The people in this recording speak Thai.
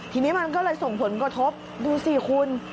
ทีนี้มันก็เลยส่งผลกระทบดูสิคุณ